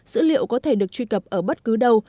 dữ liệu có thể được truy cập ở bất cứ đâu